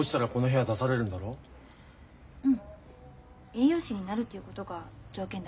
栄養士になるっていうことが条件だもんね。